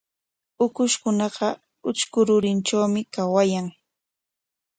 Ukushkuna utrku rurinkunatrawmi kawan.